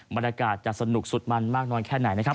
บรรยากาศจะสนุกสุดมันมากน้อยแค่ไหนนะครับ